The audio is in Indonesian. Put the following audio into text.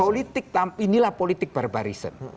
politik inilah politik barbarism